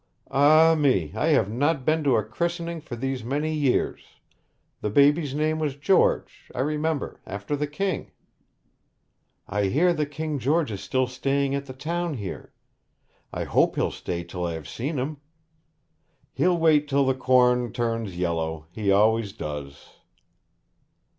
Ah me! I have not been to a christening for these many years; the baby's name was George, I remember after the King.' 'I hear that King George is still staying at the town here. I hope he'll stay till I have seen him!' 'He'll wait till the corn turns yellow; he always does.'